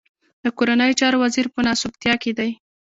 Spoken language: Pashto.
د کورنيو چارو وزير په ناسوبتيا کې دی.